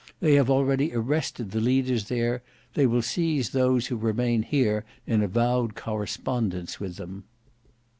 They have already arrested the leaders there; they will seize those who remain here in avowed correspondence with them."